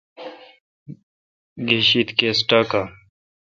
گہ شید کس ٹاکان۔